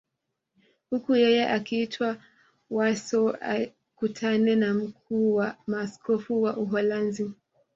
Huku yeye akiitwa Warsaw akutane na mkuu wa maaskofu wa Uholanzi